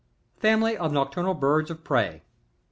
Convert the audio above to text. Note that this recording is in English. FAMILY OF NOCTURNAL BIRDS OF PREY.